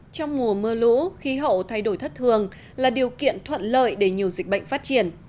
trong mùa mưa lũ khí hậu thay đổi thất thường là điều kiện thuận lợi để nhiều dịch bệnh phát triển